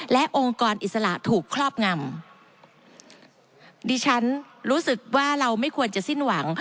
และองค์กรอิสระถูกครอบงำดิฉันรู้สึกว่าเราไม่ควรจะสิ้นหวัง